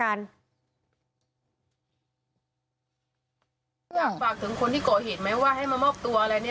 อยากฝากถึงคนที่ก่อเหตุไหมว่าให้มามอบตัวอะไรเนี่ย